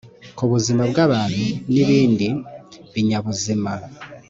ku buzima bw abantu nibindi binyabuzima